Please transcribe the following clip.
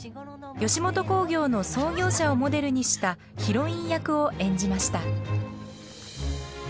吉本興業の創業者をモデルにしたヒロイン役を演じました。